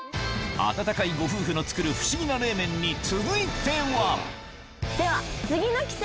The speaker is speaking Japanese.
温かいご夫婦の作る不思議な冷麺に続いてはでは。